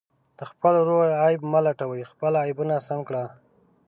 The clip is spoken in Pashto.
د خپل ورور عیب مه لټوئ، خپل عیبونه سم کړه.